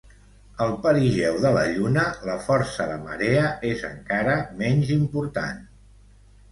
Al perigeu de la Lluna, la força de marea és encara menys important.